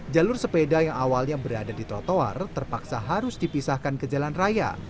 jalur sepeda yang awalnya berada di trotoar terpaksa harus dipisahkan ke jalan raya